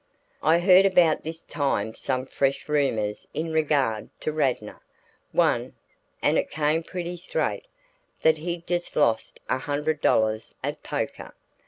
I heard about this time some fresh rumors in regard to Radnor; one and it came pretty straight that he'd just lost a hundred dollars at poker.